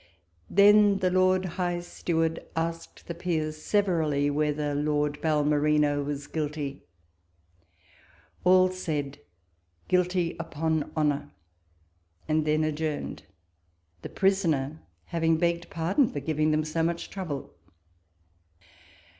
Then the Lord High Steward asked the Peers severally, WALPOLES LETTERS. 49 whether Lord Bahnerino was guilty 1 All said, "guilty upon honour,' and then adjourned, the prisoner having begged pardon for giving them so much trouble.